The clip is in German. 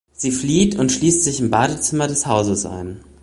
Sie flieht und schließt sich im Badezimmer des Hauses ein.